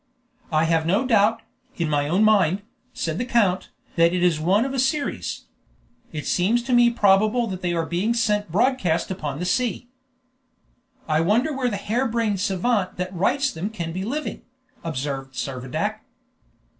"I have no doubt, in my own mind," said the count, "that it is one of a series. It seems to me probable that they are being sent broadcast upon the sea." "I wonder where the hare brained savant that writes them can be living?" observed Servadac.